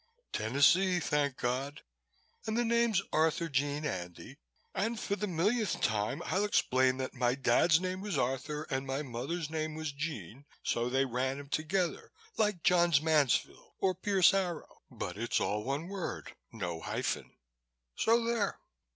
"Tennessee, thank God! And the name's Arthurjean, Andy, and for the millionth time I'll explain that my dad's name was Arthur and my mother's name was Jean, so they ran 'em together, like Johns Manville or Pierce Arrow, but it's all one word. No hyphen. So, there!"